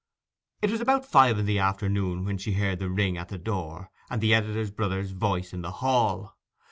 It was about five in the afternoon when she heard a ring at the door and the editor's brother's voice in the hall.